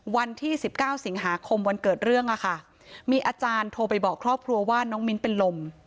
วันที่๑๙สิงหาคมวันเกิดเรื่องอะค่ะมีอาจารย์โทรไปบอกครอบครัวว่าน้องมิ้นเป็นลม